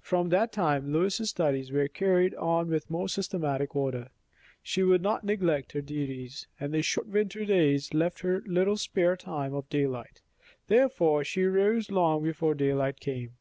From that time Lois's studies were carried on with more systematic order. She would not neglect her duties, and the short winter days left her little spare time of daylight; therefore she rose long before daylight came.